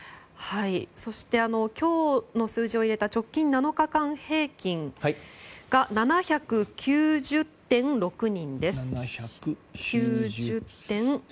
そして、今日の数字を入れた直近７日間平均が７９０．６人です。